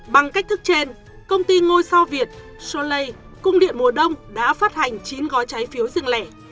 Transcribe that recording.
bằng cách thức trên công ty ngôi sao việt solei cung điện mùa đông đã phát hành chín gói trái phiếu riêng lẻ